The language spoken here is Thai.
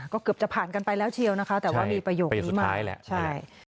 ก็เกือบจะผ่านกันไปแล้วเชียวนะคะแต่ว่ามีประโยคนี้มาประโยชน์สุดท้ายแหละใช่